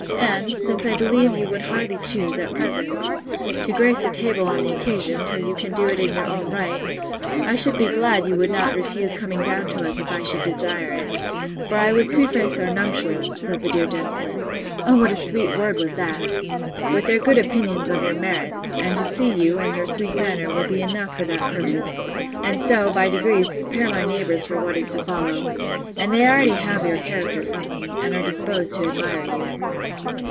And, since I believe you would hardly choose, at present, to grace the table on the occasion, till you can do it in your own right, I should be glad you would not refuse coming down to us if I should desire it; for I would preface our nuptials, said the dear gentleman! O what a sweet word was that!—with their good opinion of your merits: and to see you, and your sweet manner, will be enough for that purpose; and so, by degrees, prepare my neighbours for what is to follow: And they already have your character from me, and are disposed to admire you.